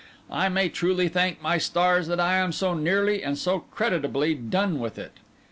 I may truly thank my stars that I am so nearly and so creditably done with it.